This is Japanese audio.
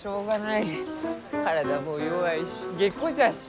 体も弱いし下戸じゃし。